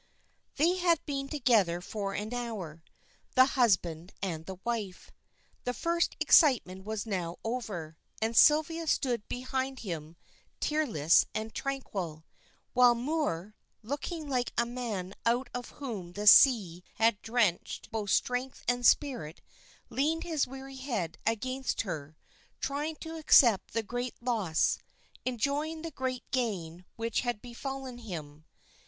They had been together for an hour, the husband and the wife. The first excitement was now over, and Sylvia stood behind him tearless and tranquil, while Moor, looking like a man out of whom the sea had drenched both strength and spirit, leaned his weary head against her, trying to accept the great loss, enjoy the great gain which had befallen him.